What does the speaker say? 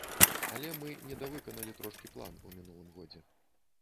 Але мы недавыканалі трошкі план у мінулым годзе.